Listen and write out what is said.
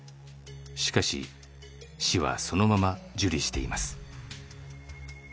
しかし市はそのまま受理しています。